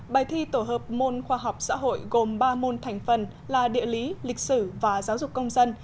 bài thi tổ hợp môn khoa học xã hội gồm ba môn thành phần là địa lý lịch sử và giáo dục công dân